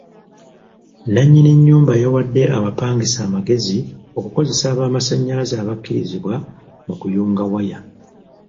Nnannyini nnyumba yawadde abapangisa amagezi okukozesa abaamasannyalaze abakkirizibwa mu kuyunga waya.